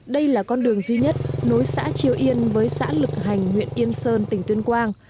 đây là con đường duy nhất nối xã triều yên với xã lực hành huyện yên sơn tỉnh tuyên quang